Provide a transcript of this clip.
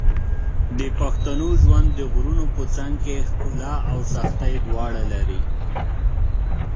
د پښتنو ژوند د غرونو په څنګ کې ښکلا او سختۍ دواړه لري.